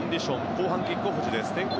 後半キックオフ時です。